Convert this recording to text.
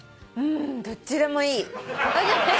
どっちでもいい。